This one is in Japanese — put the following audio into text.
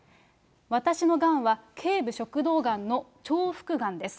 私のがんはけい部食道がんの重複がんです。